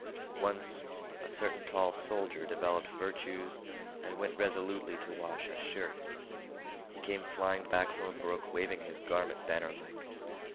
Once a certain tall soldier developed virtues and went resolutely to wash a shirt. He came flying back from a brook waving his garment bannerlike.